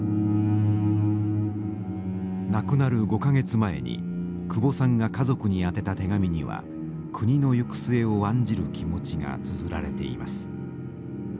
亡くなる５か月前に久保さんが家族に宛てた手紙には国の行く末を案じる気持ちがつづられています。